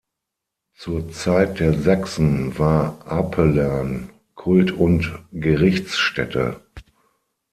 Zur Zeit der Sachsen war Apelern Kult- und Gerichtsstätte.